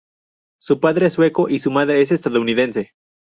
Su padre es Sueco., y su madre es estadounidense.